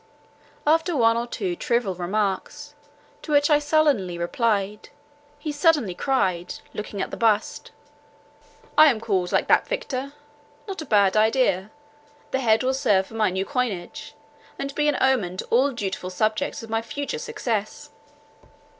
After one or two trivial remarks, to which I sullenly replied, he suddenly cried, looking at the bust, "I am called like that victor! Not a bad idea; the head will serve for my new coinage, and be an omen to all dutiful subjects of my future success."